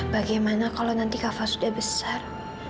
bagaimana kalau nanti kak fah sudah besar